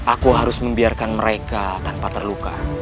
aku harus membiarkan mereka tanpa terluka